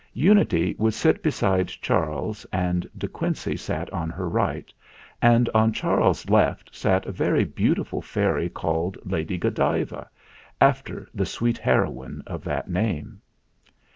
Unity would sit beside Charles, and De Quincey sat on her right, and on Charles's left sat a very beautiful fairy called Lady Godiva, after the sweet heroine of that name.